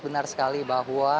benar sekali bahwa